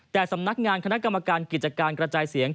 แต่สำนักงานคณะกรรมการกิจการกระจายเสียง